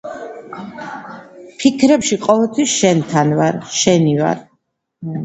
ფიქრებში ყოველთვის შენთან ვარ, შენი ვარ.